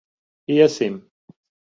Iesim.